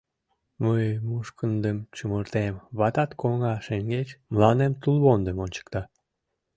Мый мушкындым чумыртем, ватат коҥга шеҥгеч мыланем тулвондым ончыкта.